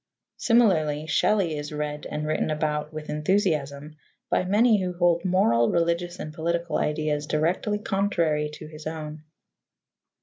Similarly, Shelley is read and written about with enthusiasm by many who hold moral, religious, and political ideas directly contrary to his own.